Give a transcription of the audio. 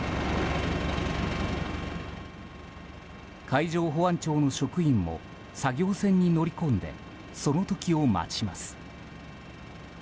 海上保安庁の職員も作業船に乗り込んでその時を待ちます。